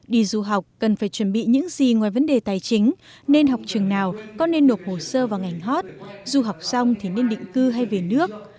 đi du học cần phải chuẩn bị những gì ngoài vấn đề tài chính nên học trường nào có nên nộp hồ sơ vào ngành hot du học xong thì nên định cư hay về nước